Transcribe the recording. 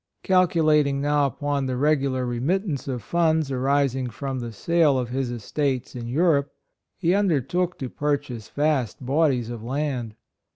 Calculating now upon the regular remittance of funds arising from the sale of his estates in Europe, he undertook to purchase vast bodies of land.